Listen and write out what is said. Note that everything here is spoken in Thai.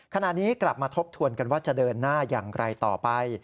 ขณะนี้กลับมาทบทวนกันว่าจะเดินหน้าอย่างไรต่อไป